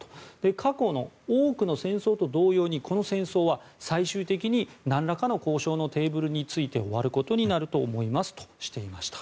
過去の多くの戦争と同様にこの戦争は最終的になんらかの交渉のテーブルに着いて終わることになると思いますとしていました。